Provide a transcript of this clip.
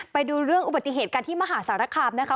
ไปดูเรื่องอุบัติเหตุกันที่มหาสารคามนะคะ